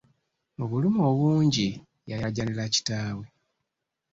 Mu bulumi obungi yalaajanira kitaawe.